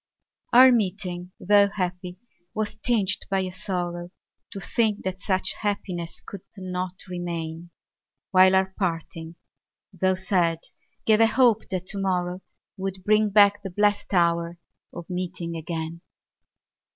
Our meeting, tho' happy, was tinged by a sorrow To think that such happiness could not remain; While our parting, tho' sad, gave a hope that to morrow Would bring back the blest hour of meeting again.